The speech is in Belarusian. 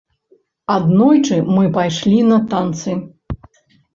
Аднойчы мы пайшлі на танцы.